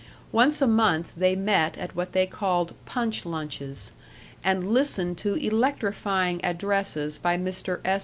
Once a month they met at what they called "punch lunches," and listened to electrifying addresses by Mr. S.